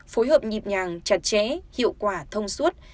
phối hợp nhịp nhàng chặt chẽ hiệu quả thông suốt